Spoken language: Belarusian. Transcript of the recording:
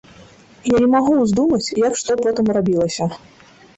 Я не магу ўздумаць, як што потым рабілася.